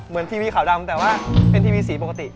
ทีวีขาวดำแต่ว่าเป็นทีวีสีปกติ